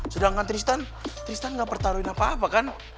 sedangkan tristan tristan gak pertaruhin apa apa kan